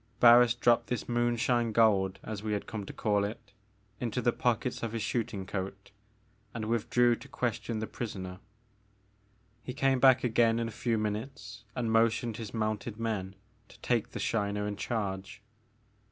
Barris dropped this moonshine gold," as we had come to call it, into the pockets of his shooting coat, and withdrew to question the prisoner. He came back again in a few minutes and motioned his mounted men to take the Shiner in charge.